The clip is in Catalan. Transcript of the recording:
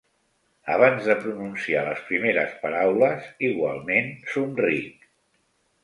Abans de pronunciar les primeres paraules igualment somric.